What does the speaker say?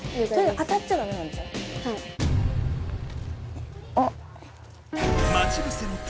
当たっちゃダメなんでしょ？